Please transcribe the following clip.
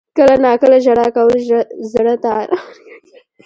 • کله ناکله ژړا کول زړه ته آرام ورکوي.